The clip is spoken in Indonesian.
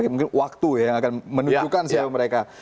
mungkin waktu ya yang akan menunjukkan sih mereka